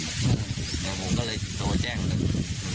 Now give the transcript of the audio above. ผมก็เลยโทรแจ้งหนึ่ง